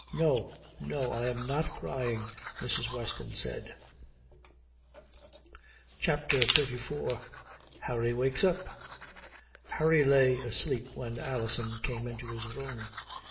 "No. No. I am not crying," Mrs. Weston said. CHAPTER XXXIV HARRY WAKES UP Harry lay asleep when Alison came into his room.